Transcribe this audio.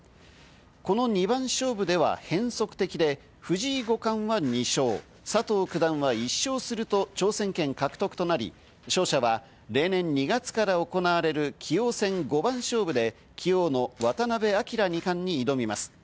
この二番勝負では変則的で、藤井五冠は２勝、佐藤九段は１勝すると挑戦権獲得となり、勝者は例年２月から行われる棋王戦五番勝負で、棋王の渡辺明二冠に挑みます。